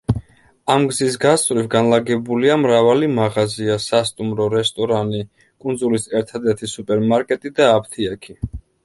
ამ გზის გასწვრივ განლაგებულია მრავალი მაღაზია, სასტუმრო, რესტორანი, კუნძულის ერთადერთი სუპერმარკეტი და აფთიაქი.